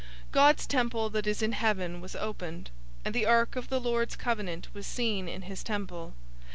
011:019 God's temple that is in heaven was opened, and the ark of the Lord's covenant was seen in his temple.